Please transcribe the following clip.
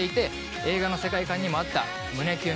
映画の世界観にもあった胸キュン